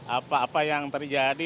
apa apa yang terjadi